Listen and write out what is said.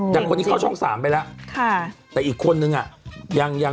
อย่างคนที่เข้าช่องสามไปล่ะแต่อีกคนนึงอ่ะยังเพิ่ง๑๕นิตยา